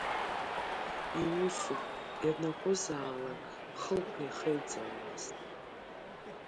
Иусуп ианакәызаалакь хылԥа ихеиҵауамызт.